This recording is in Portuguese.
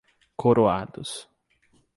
Coroados